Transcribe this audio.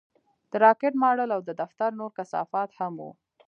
د راکټ ماډل او د دفتر نور کثافات هم وو